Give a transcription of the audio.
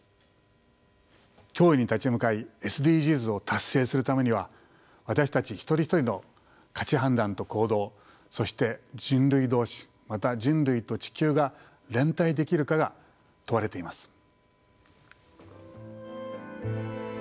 脅威に立ち向かいＳＤＧｓを達成するためには私たち一人一人の価値判断と行動そして人類同士また人類と地球が連帯できるかが問われています。